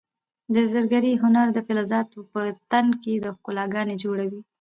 د زرګرۍ هنر د فلزاتو په تن کې د ښکلا ګاڼې جوړوي.